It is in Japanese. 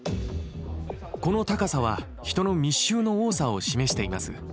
この高さは人の密集の多さを示しています。